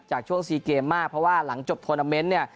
ช่วง๔เกมมากเพราะว่าหลังจบทวนาเมนต์เนี่ย